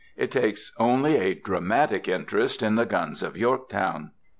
It takes only a dramatic interest in the guns of Yorktown.